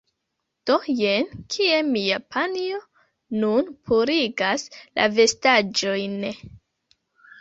Do, jen kie mia panjo nun purigas la vestaĵojn